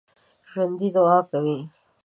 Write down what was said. ژوندي دعا کوي